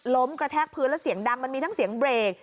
กระแทกพื้นแล้วเสียงดังมันมีทั้งเสียงเบรก